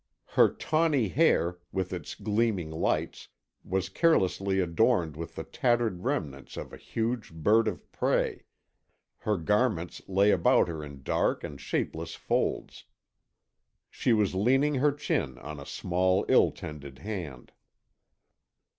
Her tawny hair, with its gleaming lights, was carelessly adorned with the tattered remnants of a huge bird of prey, her garments lay about her in dark and shapeless folds. She was leaning her chin on a small ill tended hand.